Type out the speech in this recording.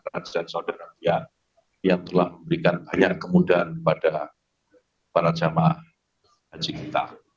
raja dan saudara pihak yang telah memberikan banyak kemudahan pada para jemaah haji kita